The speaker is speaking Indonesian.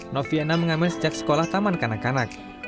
noviana mengamen sejak sekolah taman kanak kanak